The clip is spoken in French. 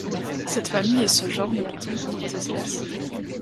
Cette famille et ce genre ne contienne que trois espèces.